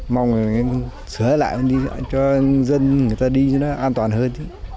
mong sửa lại cho dân người ta đi cho an toàn hơn